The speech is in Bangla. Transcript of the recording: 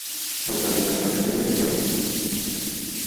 গতকাল বিকেল সোয়া চারটার দিকে দেখা গেল, পার্কের বেশির ভাগ রাইডই খালি।